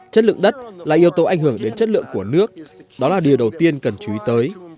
chất lượng đất là yếu tố ảnh hưởng đến chất lượng của nước đó là điều đầu tiên cần chú ý tới